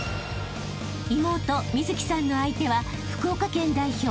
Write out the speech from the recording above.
［妹美月さんの相手は福岡県代表